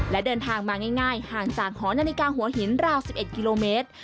และเดินทางมาง่ายห่างจากหอนาฬิกาหัวหินราว๑๑กิโลเมตร